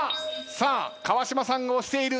さあ川島さんが押している。